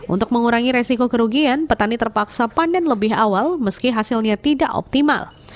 untuk mengurangi resiko kerugian petani terpaksa panen lebih awal meski hasilnya tidak optimal